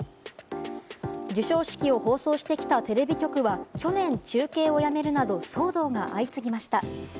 授賞式を放送してきたテレビ局は去年、中継をやめるなど騒動が相次ぎました。